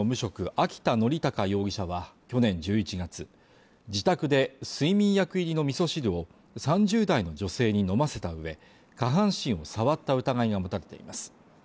秋田典孝容疑者は去年１１月自宅で睡眠薬入りの味噌汁を３０代の女性に飲ませた上下半身を触った疑いが持たれています